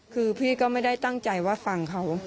คือพี่ก็ไม่ได้ตั้งใจว่าฟังเขา